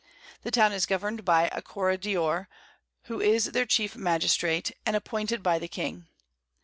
The Town is govern'd by a Corregidore, who is their chief Magistrate and appointed by the King.